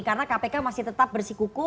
karena kpk masih tetap bersikuku